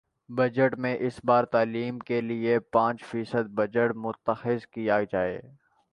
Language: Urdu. بجٹ میں اس بار تعلیم کے لیے پانچ فیصد بجٹ مختص کیا جائے